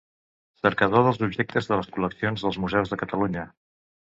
Cercador dels objectes de les col·leccions dels museus de Catalunya.